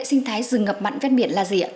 bảo vệ hệ sinh thái rừng ngập mặn bên biển là gì ạ